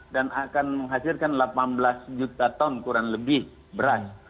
dan akan menghasilkan delapan belas juta ton kurang lebih beras